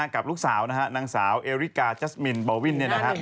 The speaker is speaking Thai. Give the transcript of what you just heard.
กับลูกสาวนางสาวเอริกาจัสมินบอลวิน